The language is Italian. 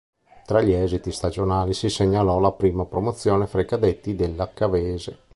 Tra gli esiti stagionali si segnalò la prima promozione fra i cadetti della Cavese.